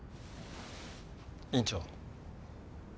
院長。